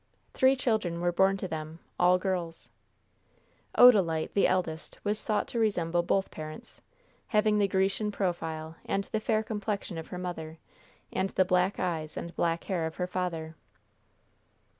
Three children were born to them all girls. Odalite, the eldest, was thought to resemble both parents, having the Grecian profile and the fair complexion of her mother, and the black eyes and black hair of her father.